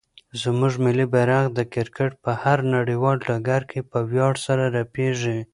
زموږ ملي بیرغ د کرکټ په هر نړیوال ډګر کې په ویاړ سره رپېږي.